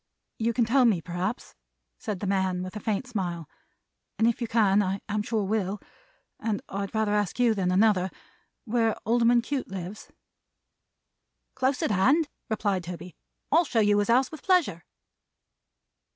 "You can tell me, perhaps," said the man with a faint smile, "and if you can I am sure will, and I'd rather ask you than another where Alderman Cute lives." "Close at hand," replied Toby, "I'll show you his house with pleasure."